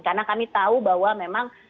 karena kami tahu bahwa memang